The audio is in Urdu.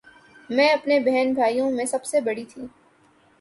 میں اپنے بہن بھائیوں میں سب سے بڑی تھی